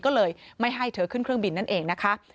ก็เลยไม่ให้เธอขึ้นเครื่องบินนั่นเองนะคะ